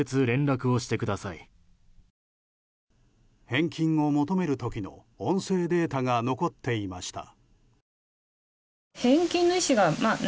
返金を求める時の音声データが残っていました。